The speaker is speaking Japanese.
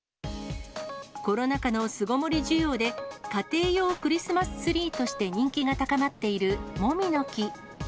コロナ禍の巣ごもり需要で、家庭用クリスマスツリーとして人気が高まっているもみの木。